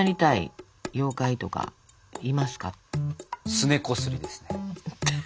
すねこすりですね。